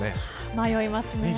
迷いますね。